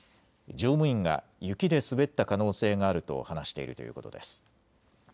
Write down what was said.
乗務員が雪で滑った可能性があると話しているということです。